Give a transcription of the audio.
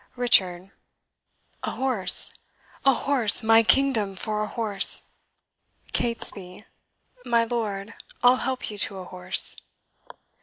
RICHARD. A horse! A horse! my kingdom for a horse! CATESBY......My lord, I'll help you to a horse.